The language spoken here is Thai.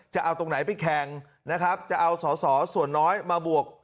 จะเอาตรงไหนไปแข่งนะครับจะเอาสอสอส่วนน้อยมาบวก